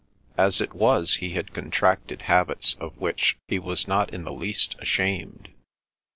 As it was he had contracted habits of which he was not in the least ashamed.